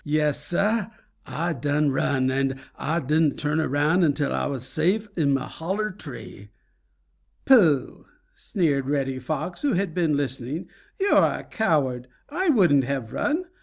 "Yes, Sah, Ah done run, and Ah didn't turn around until Ah was safe in mah holler tree." "Pooh!" sneered Reddy Fox, who had been listening. "You're a coward. I wouldn't have run!